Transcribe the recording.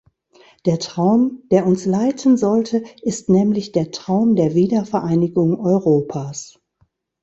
Der Traum, der uns leiten sollte, ist nämlich der Traum der Wiedervereinigung Europas.